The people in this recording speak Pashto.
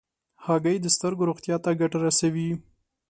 هګۍ د سترګو روغتیا ته ګټه رسوي.